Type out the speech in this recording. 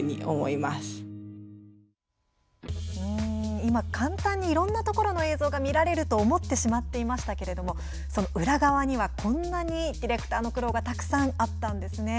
今、簡単にいろいろなところの映像が見られると思ってしまいましたがその裏側にはこんなにディレクターの苦労がたくさんあったんですね。